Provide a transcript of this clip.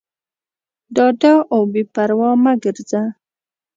ډاډه او بېپروا مه ګرځه.